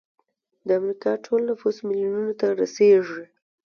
د امریکا ټول نفوس میلیونونو ته رسیږي.